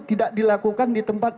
tidak dilakukan di tempat